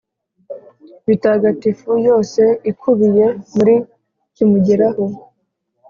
bitagatifu, yose ikubiye muri kimugeraho